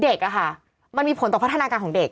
มันมีผลต่อพัฒนาการของเด็ก